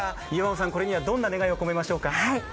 これにはどんな願いを込めましょうか？